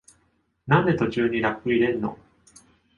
なんで途中にラップ入れんの？